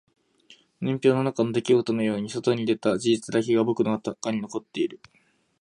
年表の中の出来事のように外に出た事実だけが僕の中に残っている